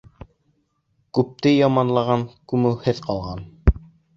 Күпте яманлаған күмеүһеҙ ҡалған